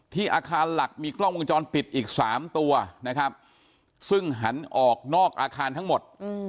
อาคารหลักมีกล้องวงจรปิดอีก๓ตัวนะครับซึ่งหันออกนอกอาคารทั้งหมด